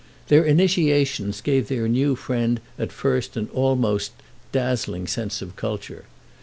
Their initiations gave their new inmate at first an almost dazzling sense of culture.